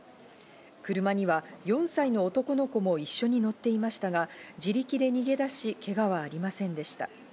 車には４歳の男の子も一緒に乗っていましたが、自力で逃げ出し、けがはありませんでした。